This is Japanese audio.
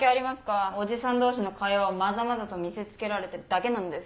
おじさん同士の会話をまざまざと見せつけられてるだけなのですが。